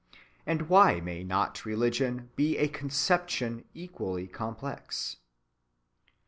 And why may not religion be a conception equally complex?